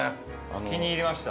気に入りました？